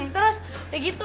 terus kayak gitu